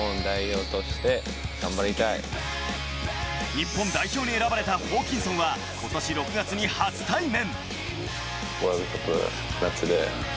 日本代表に選ばれたホーキンソンはことし６月に初対面。